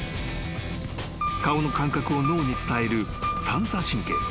［顔の感覚を脳に伝える三叉神経］